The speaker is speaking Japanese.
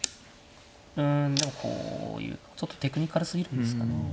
でもこういうちょっとテクニカルすぎるんですかね。